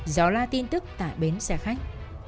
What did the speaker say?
gió la tin tức tại bến xe khách